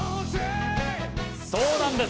そうなんです！